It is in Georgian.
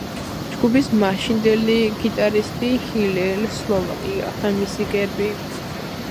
ჯგუფის მაშინდელი გიტარისტი, ჰილელ სლოვაკი გახდა მისი კერპი.